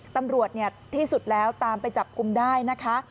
ตำรวจที่สุดแล้วตามไปจับกลุ่มได้นะคะ